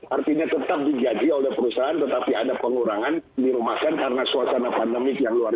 artinya tetap digaji oleh perusahaan tetapi ada pengurangan dirumahkan karena suasana pandemik yang luar biasa